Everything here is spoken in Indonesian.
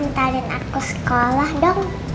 antarin aku sekolah dong